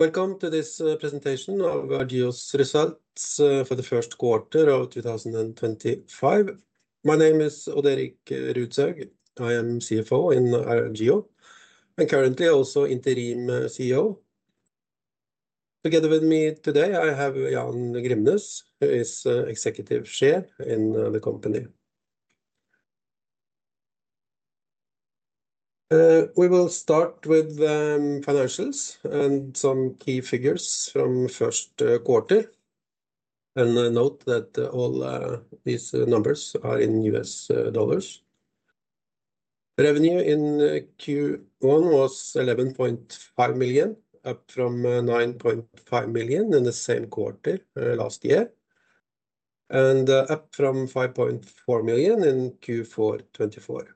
Welcome to this presentation of Argeo's results for the Q1 of 2025. My name is Odd Erik Rudshaug, I am CFO in Argeo, and currently also interim CEO. Together with me today, I have Jan Grimnes, who is the Executive Chair in the company. We will start with financials and some key figures from the Q1. Note that all these numbers are in U.S. dollars. Revenue in Q1 was $11.5 million, up from $9.5 million in the same quarter last year, and up from $5.4 million in Q4 2024.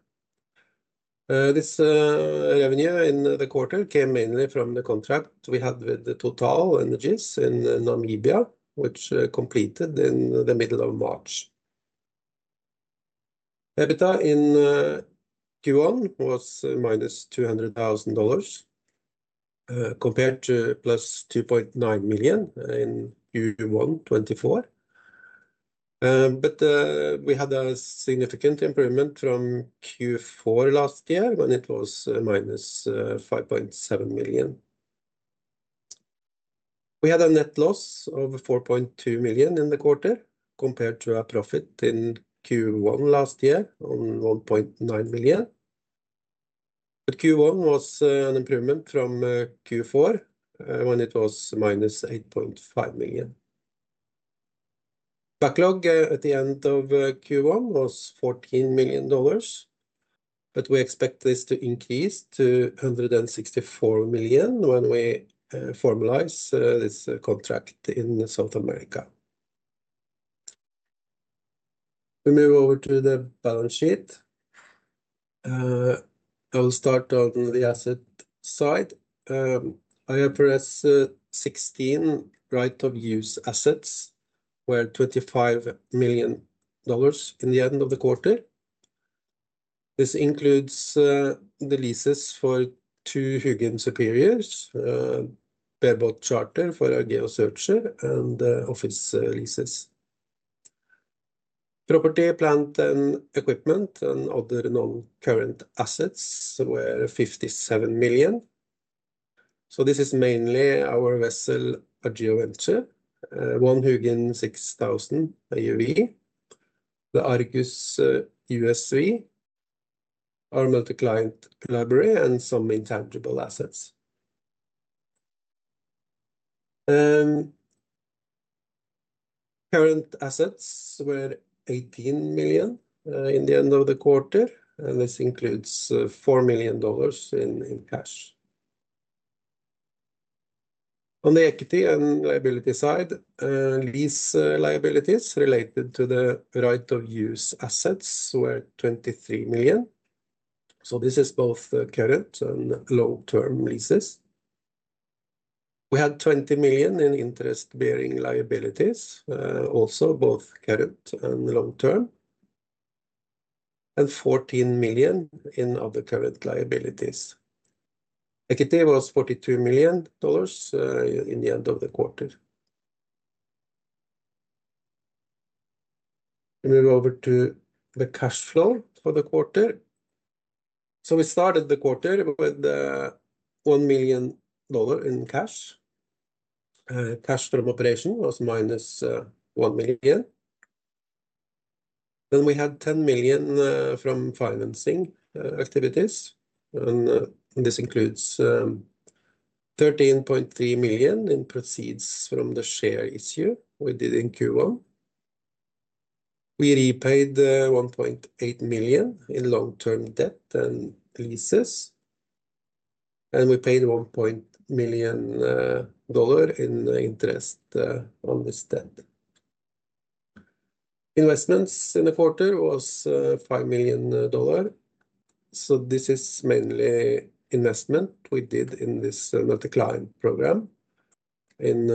This revenue in the quarter came mainly from the contract we had with TotalEnergies in Namibia, which completed in the middle of March. EBITDA in Q1 was -$200,000, compared to +$2.9 million in Q1 2024. We had a significant improvement from Q4 last year, when it was -$5.7 million. We had a net loss of $4.2 million in the quarter, compared to a profit in Q1 last year of $1.9 million. Q1 was an improvement from Q4, when it was -$8.5 million. Backlog at the end of Q1 was $14 million, but we expect this to increase to $164 million when we formalize this contract in South America. We move over to the balance sheet. I will start on the asset side. I have for us 16 right-of-use assets, worth $25 million at the end of the quarter. This includes the leases for two HUGIN Superior AUV System, a bareboat charter for Argeo Searcher, and office leases. Property, plant and equipment, and other non-current assets, worth $57 million. This is mainly our vessel Argeo Venture, one Hugin 6000 AUV, the Argus USV, our multi-client library, and some intangible assets. Current assets were $18 million in the end of the quarter, and this includes $4 million in cash. On the equity and liability side, lease liabilities related to the right-of-use assets were $23 million. This is both current and long-term leases. We had $20 million in interest-bearing liabilities, also both current and long-term, and $14 million in other current liabilities. Equity was $43 million in the end of the quarter. We move over to the cash flow for the quarter. We started the quarter with $1 million in cash. Cash from operation was -$1 million. We had $10 million from financing activities, and this includes $13.3 million in proceeds from the share issue we did in Q1. We repaid $1.8 million in long-term debt and leases, and we paid $1 million in interest on this debt. Investments in the quarter was $5 million. This is mainly investment we did in this multi-client program in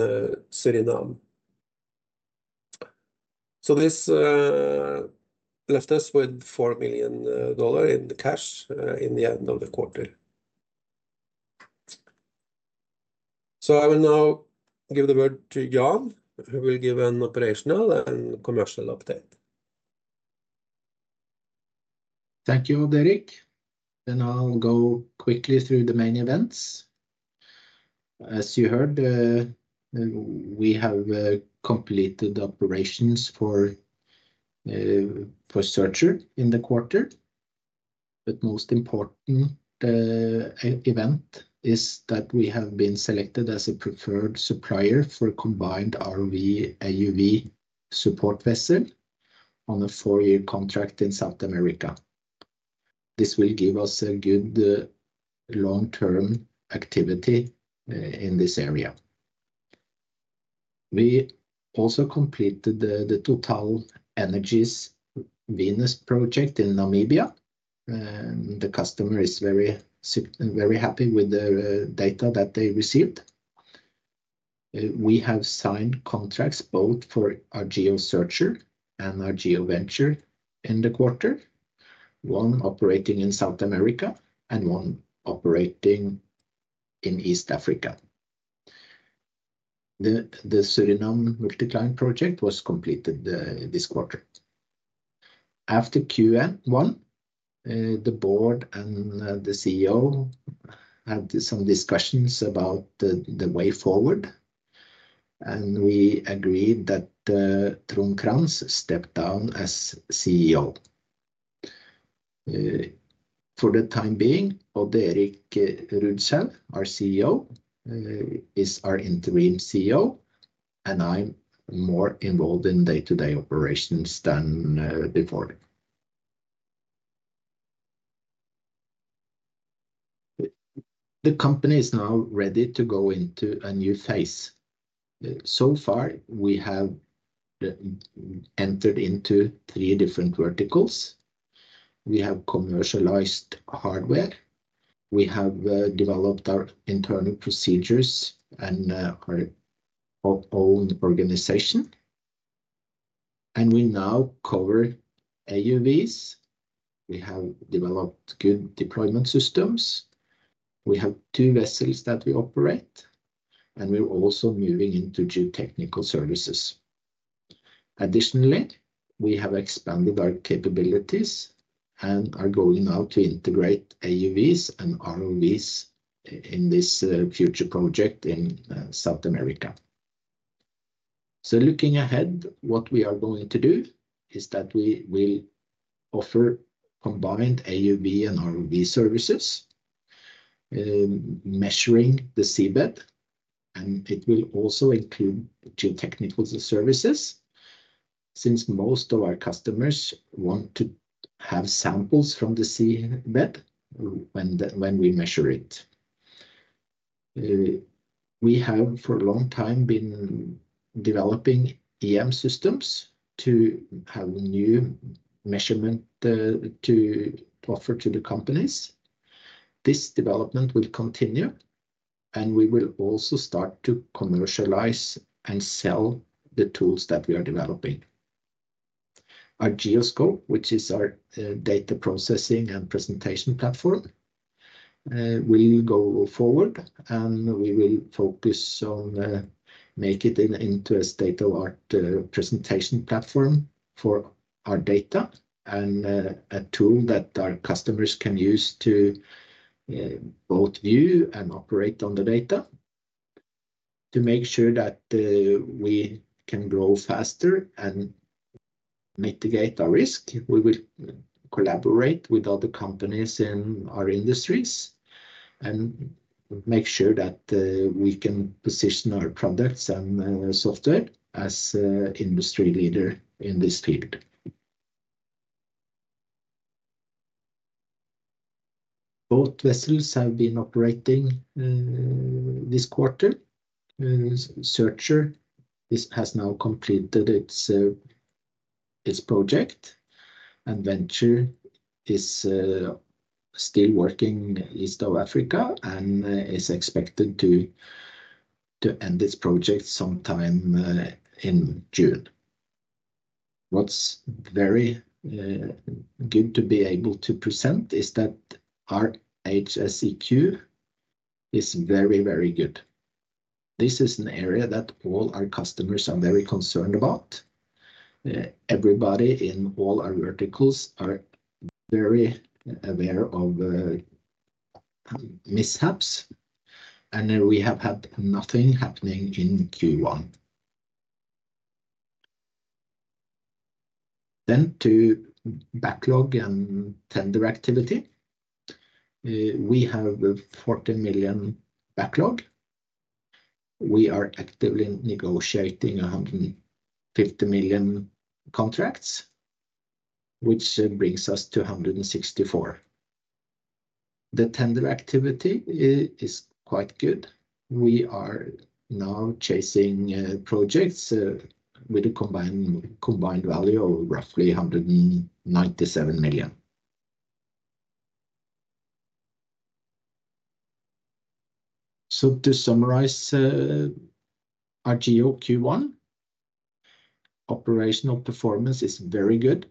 Suriname. This left us with $4 million in cash in the end of the quarter. I will now give the word to Jan Grimnes, who will give an operational and commercial update. Thank you, Odd Erik Rudshaug. I'll go quickly through the main events. As you heard, we have completed operations for Argeo Searcher in the quarter. The most important event is that we have been selected as a preferred supplier for a combined ROV/AUV support vessel on a four-year contract in South America. This will give us good long-term activity in this area. We also completed the TotalEnergies Venus project in Namibia. The customer is very happy with the data that they received. We have signed contracts both for Argeo Searcher and Argeo Venture in the quarter, one operating in South America and one operating in East Africa. The Suriname multi-client project was completed this quarter. After Q1, the board and the CEO had some discussions about the way forward, and we agreed that Trond Crantz stepped down as CEO. For the time being, Odd Erik Rudshaug, our CEO, is our interim CEO, and I'm more involved in day-to-day operations than before. The company is now ready to go into a new phase. So far, we have entered into three different verticals. We have commercialized hardware. We have developed our internal procedures and our own organization. And we now cover AUVs. We have developed good deployment systems. We have two vessels that we operate, and we're also moving into geotechnical services. Additionally, we have expanded our capabilities and are going now to integrate AUVs and ROVs in this future project in South America. So looking ahead, what we are going to do is that we will offer combined AUV and ROV services, measuring the seabed, and it will also include geotechnical services since most of our customers want to have samples from the seabed when we measure it. We have for a long time been developing EM systems to have new measurement to offer to the companies. This development will continue, and we will also start to commercialize and sell the tools that we are developing. Argeo SCOPE, which is our data processing and presentation platform, will go forward, and we will focus on making it into a state-of-the-art presentation platform for our data and a tool that our customers can use to both view and operate on the data. To make sure that we can grow faster and mitigate our risk, we will collaborate with other companies in our industries and make sure that we can position our products and software as an industry leader in this field. Both vessels have been operating this quarter. Argeo Searcher has now completed its project, and Argeo Venture is still working in East Africa, and is expected to end its project sometime in June. What's very good to be able to present is that our HSEQ is very, very good. This is an area that all our customers are very concerned about. Everybody in all our verticals is very aware of mishaps, and we have had nothing happening in Q1. To backlog and tender activity, we have $14 million backlog. We are actively negotiating $150 million contracts, which brings us to $164 million. The tender activity is quite good. We are now chasing projects with a combined value of roughly $197 million. To summarize Argeo Q1, operational performance is very good.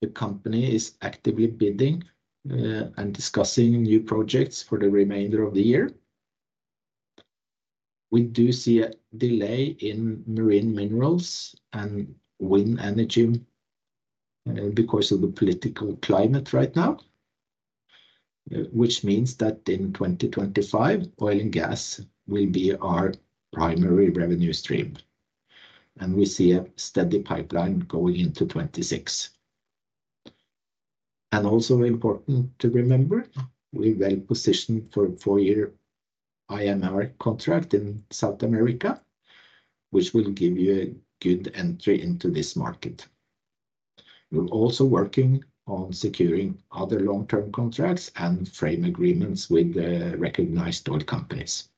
The company is actively bidding and discussing new projects for the remainder of the year. We do see a delay in marine minerals and wind energy because of the political climate right now, which means that in 2025, oil and gas will be our primary revenue stream, and we see a steady pipeline going into 2026. Also important to remember, we're well positioned for a four-year IMR contract in South America, which will give you a good entry into this market. We're also working on securing other long-term contracts and frame agreements with recognized oil companies.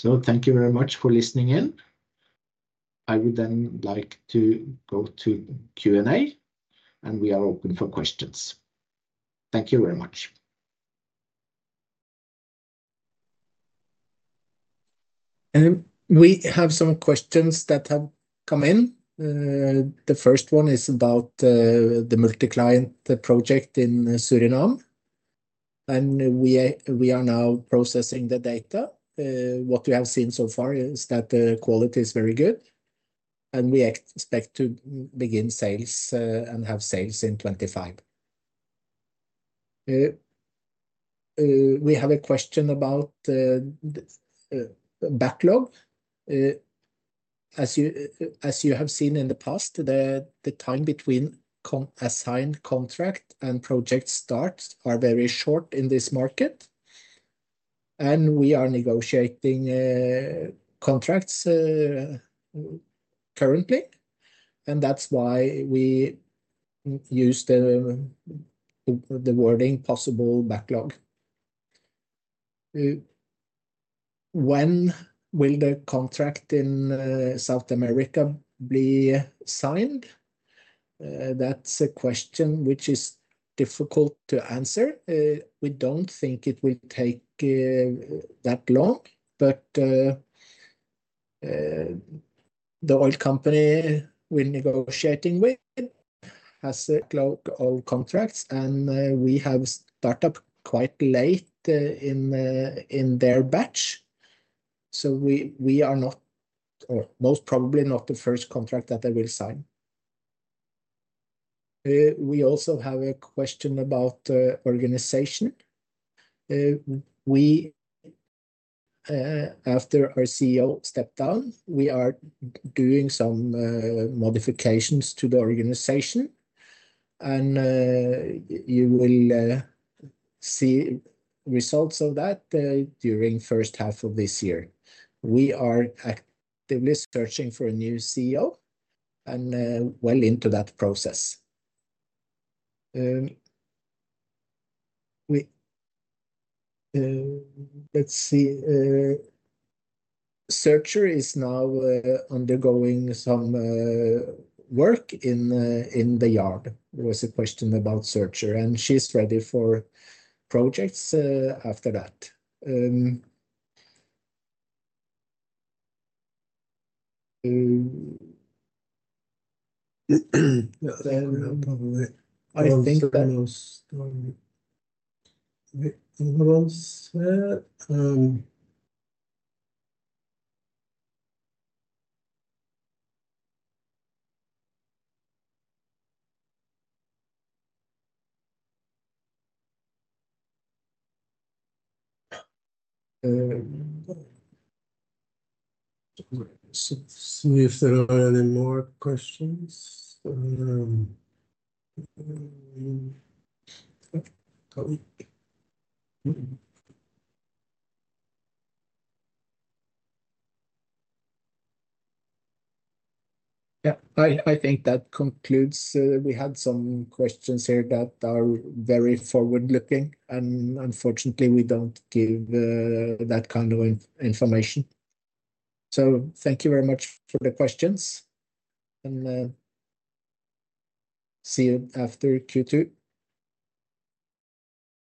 Thank you very much for listening in. I would then like to go to Q&A, and we are open for questions. Thank you very much. We have some questions that have come in. The first one is about the multi-client project in Suriname, and we are now processing the data. What we have seen so far is that the quality is very good, and we expect to begin sales and have sales in 2025. We have a question about backlog. As you have seen in the past, the time between assigned contract and project starts is very short in this market, and we are negotiating contracts currently, and that's why we use the wording "possible backlog." When will the contract in South America be signed? That's a question which is difficult to answer. We don't think it will take that long, but the oil company we're negotiating with has backlog of contracts, and we have started quite late in their batch. We are not, or most probably not, the first contract that they will sign. We also have a question about organization. After our CEO stepped down, we are doing some modifications to the organization, and you will see results of that during the first half of this year. We are actively searching for a new CEO and well into that process. Let's see. Argeo Searcher is now undergoing some work in the yard. There was a question about Argeo Searcher, and she's ready for projects after that. I think that if there are any more questions. Yeah, I think that concludes it. We had some questions here that are very forward-looking, and unfortunately, we do not give that kind of information. Thank you very much for the questions, and see you after Q2.